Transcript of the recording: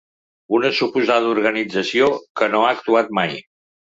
Una suposada organització que no ha actuat mai.